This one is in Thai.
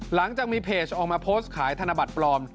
หลังจากมีเพจออกมาโพสต์ขายธนบัตรปลอม